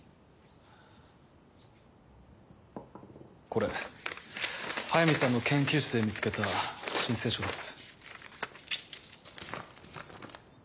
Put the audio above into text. これ速水さんの研究室で見つけた申請書です。